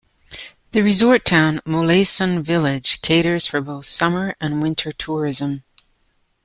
The resort town Moléson-Village caters for both summer and winter tourism.